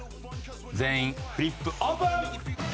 全員フリップオープン！